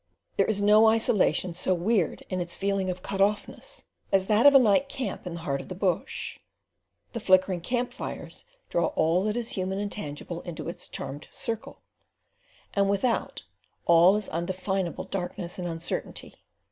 There is no isolation so weird in its feeling of cut offness as that of a night camp in the heart of the bush. The flickering camp fires draw all that is human and tangible into its charmed circle, and without, all is undefinable darkness and uncertainty.